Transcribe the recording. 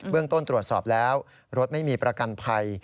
เรื่องต้นตรวจสอบแล้วรถไม่มีประกันภัย